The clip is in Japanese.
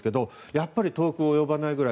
やっぱり遠く及ばないくらい。